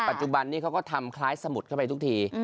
ปัจจุบันนี้เขาก็ทำคล้ายสมุดเข้าไปทุกที